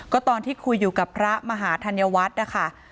ก็ตอนที่คุยอยู่กับพระมหาธัญวัฒน์นะคะ